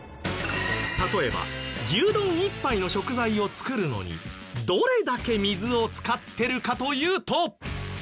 例えば牛丼１杯の食材を作るのにどれだけ水を使ってるかというと。